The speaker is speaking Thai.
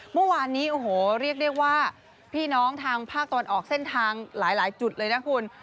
เมื่อวานนี้โอ้โหเรียกได้ว่าพี่น้องทางภาคตะวันออกเส้นทางหลายจุดเลยนะคุณ